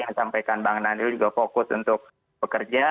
saya sampaikan bang nandil juga fokus untuk pekerja